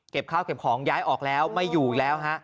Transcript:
เก็บข้าวเก็บของย้ายออกแล้วไม่อยู่แล้ว